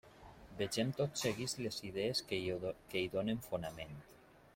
Vegem tot seguit les idees que hi donen fonament.